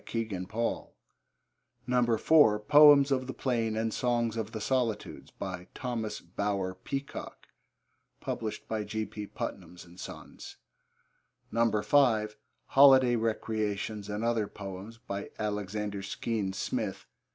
(Kegan Paul.) (4) Poems of the Plain and Songs of the Solitudes. By Thomas Bower Peacock. (G. P. Putnam's Sons.) (5) Holiday Recreations and Other Poems. By Alexander Skene Smith.